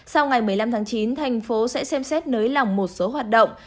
sau ngày một mươi năm tháng chín thành phố sẽ xem xét nới lỏng một số hoạt động